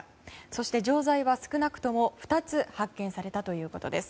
そして、錠剤は少なくとも２つ発見されたということです。